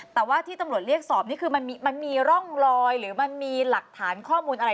แต่ที่ตำรวจเรียกสอบนี้มีร่องลอยหรือมีหลักฐานข้อมูลอะไร